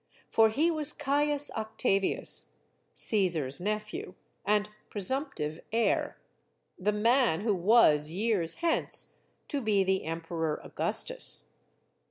For he was Caius Octavius, Caesar's nephew and presump tive heir; the man who was, years hence, to be the Emperor Augustus.